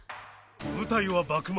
舞台は幕末。